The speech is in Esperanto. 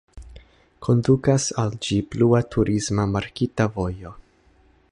Kondukas al ĝi blua turisma markita vojo.